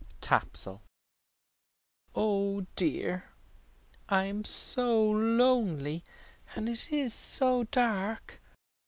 TAPSELL "Oh dear, I am so lonely, and it is so dark!